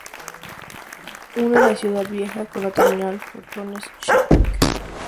Une la Ciudad Vieja con la terminal Portones Shopping.